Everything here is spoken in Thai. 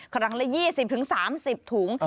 ครั้งละ๒๐๓๐ถุง